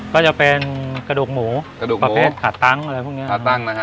ก็จะเป็นกระดูกหมูกระดูกประเภทขาตั้งอะไรพวกนี้ขาตั้งนะฮะ